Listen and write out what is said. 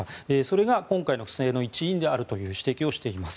それが今回の不正の一因であるという指摘をしています。